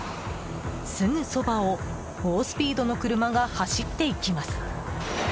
すぐそばを猛スピードの車が走っていきます。